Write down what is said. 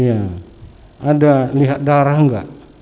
ada lihat darah enggak